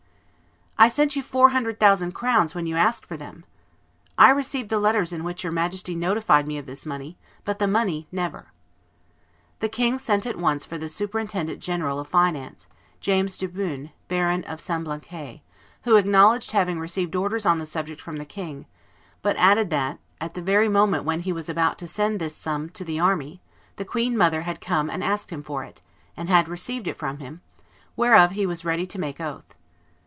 "I sent you four hundred thousand crowns when you asked for them." "I received the letters in which your Majesty notified me of this money, but the money never." The king sent at once for the superintendent general of finance, James de Beaune, Baron of Semblancay, who acknowledged having received orders on the subject from the king, but added that at the very moment when he was about to send this sum to the army, the queen mother had come and asked him for it, and had received it from him, whereof he was ready to make oath.